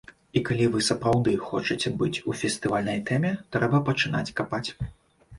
І калі вы сапраўды хочаце быць у фестывальнай тэме, трэба пачынаць капаць.